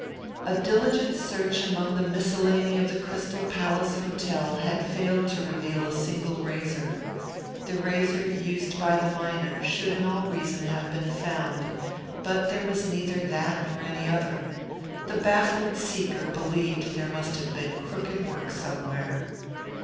A diligent search among the miscellany of the Crystal Palace Hotel had failed to reveal a single razor. The razor used by the miner should in all reason have been found, but there was neither that nor any other. The baffled seeker believed there must have been crooked work somewhere.